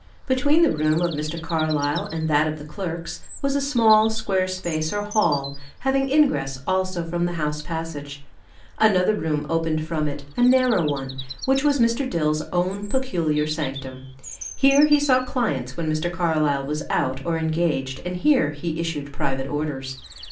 Between the room of Mr. Carlyle and that of the clerks, was a small square space or hall, having ingress also from the house passage; another room opened from it, a narrow one, which was Mr. Dill's own peculiar sanctum. Here he saw clients when Mr. Carlyle was out or engaged, and here he issued private orders.